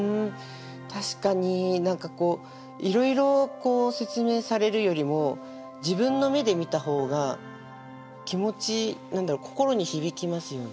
確かに何かこういろいろ説明されるよりも自分の目で見た方が気持ち何だろ心に響きますよね。